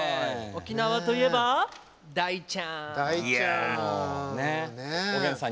沖縄といえば大ちゃん。